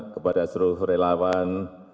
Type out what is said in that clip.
kepada seluruh relawan